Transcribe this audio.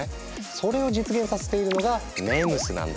それを実現させているのがＭＥＭＳなんだ。